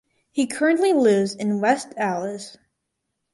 He currently lives in West Allis.